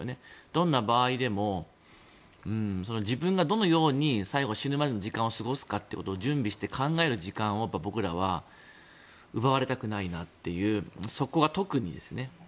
どんな場合でも自分がどのように最後、死ぬまでの時間を過ごすかっていうことを準備して考える時間を僕らは奪われたくないなっていうそこは特にですね。